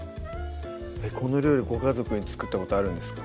この料理ご家族に作ったことあるんですか？